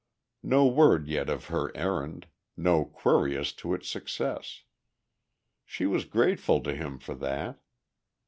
No word yet of her errand, no query as to its success. She was grateful to him for that.